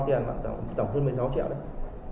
thì bạn viết tổng bao tiền bạn tổng hơn một mươi sáu triệu đấy